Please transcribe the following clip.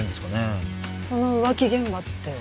その浮気現場って近いの？